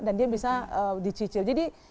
dan dia bisa dicicil jadi